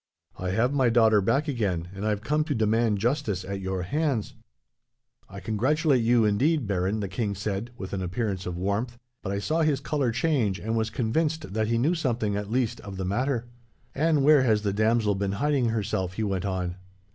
I have my daughter back again, and I have come to demand justice at your hands.' "'I congratulate you, indeed, Baron,' the king said, with an appearance of warmth, but I saw his colour change, and was convinced that he knew something, at least, of the matter. "'And where has the damsel been hiding herself?' he went on.